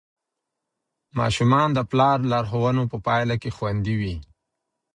ماشومان د پلار لارښوونو په پایله کې خوندي وي.